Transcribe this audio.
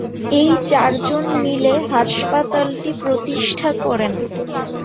এই চারজন মিলে হাসপাতালটি প্রতিষ্ঠা করেন।